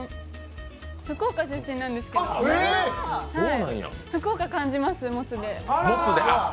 福岡出身なんですけど福岡感じます、もつで。